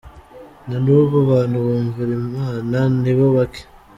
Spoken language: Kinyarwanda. Na n’ubu abantu bumvira imana nibo bake.